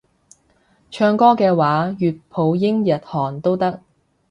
唱歌嘅話粵普英日韓都得